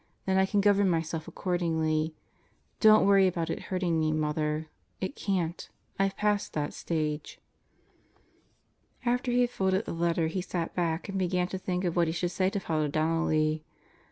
Then I can govern myself accordingly. Don't worry about it hurting me, Mother. It can't. I've passed that stage. ... After he had folded the letter he sat back and began to think of what he should say to Father Donnelly.